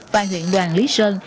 và huyện đoàn lý sơn